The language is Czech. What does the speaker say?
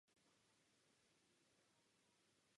Po rozbití republiky se zapojil do protifašistického boje.